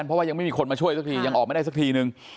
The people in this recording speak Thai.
เพราะว่ายังไม่มีคนมาช่วยสักทียังออกไม่ได้สักทีนึง